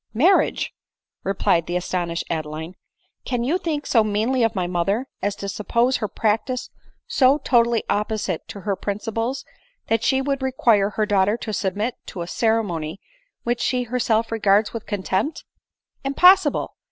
"Marriage !" replied the astonished Adeline ; "can you think so meanly of my mother, as to suppose her practice so totally opposite to her principles, that she would require her daughter to submit to a ceremony which she herself regards with contempt ? Impossible